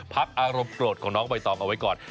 อารมณ์โกรธของน้องใบตองเอาไว้ก่อน